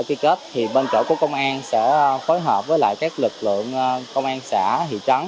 sau buổi lễ ký kết bên trở của công an sẽ phối hợp với các lực lượng công an xã thị trấn